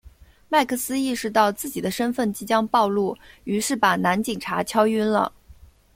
麦克斯意识到自己的身份即将暴露于是把男警察敲晕了。